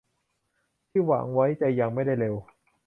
ที่หวังไว้จะยังไม่ได้เร็ว